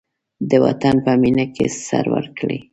د وطن په مینه کې سر ورکړئ.